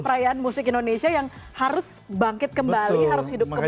perayaan musik indonesia yang harus bangkit kembali harus hidup kembali